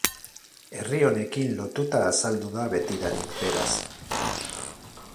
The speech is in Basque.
Herri honekin lotuta azaldu da betidanik beraz.